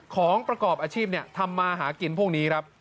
ของประกอบอาชีพทำมาหากินพวกนี้ครับ